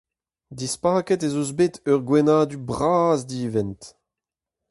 Dispaket ez eus bet ur gwenn-ha-du bras-divent.